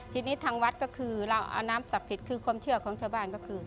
ทีนี้ทางวัดก็คือเราเอาน้ำศักดิ์สิทธิ์คือความเชื่อของชาวบ้านก็คือ